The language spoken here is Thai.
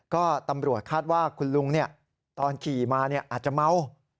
ก็ตำรวจคาดว่าคุณลุงตอนขี่มาอาจจะเมา